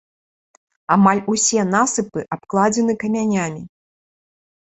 Амаль усе насыпы абкладзены камянямі.